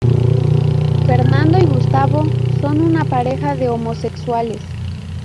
Fernando y Gustavo son una pareja de homosexuales.